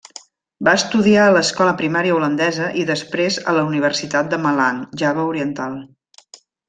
Va estudiar a l'escola primària holandesa i després a la universitat de Malang, Java Oriental.